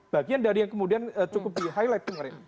bagian dari yang kemudian cukup di highlight kemarin